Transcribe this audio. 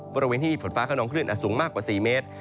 บริเวณที่มีฝนฟ้าขนองคลื่นอาจสูงมากกว่า๔เมตร